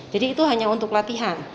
jadi itu hanya untuk latihan